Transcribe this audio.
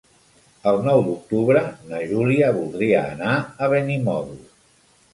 El nou d'octubre na Júlia voldria anar a Benimodo.